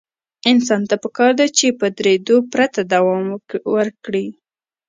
انسان ته پکار ده چې په درېدو پرته دوام ورکړي.